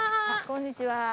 こんにちは。